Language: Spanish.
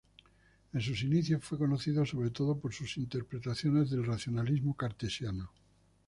En sus inicios fue conocido sobre todo por sus interpretaciones del racionalismo cartesiano.